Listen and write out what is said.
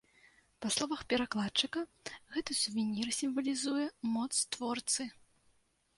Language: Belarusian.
Па словах перакладчыка, гэты сувенір сімвалізуе моц творцы.